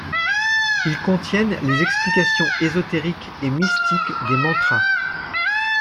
Ils contiennent les explications ésotériques et mystiques des mantra.